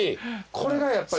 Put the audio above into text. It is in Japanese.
これがやっぱり。